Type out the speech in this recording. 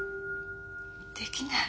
できない。